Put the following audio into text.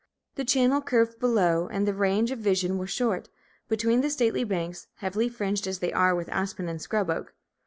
The channel curved below, and the range of vision was short, between the stately banks, heavily fringed as they are with aspen and scrub oak.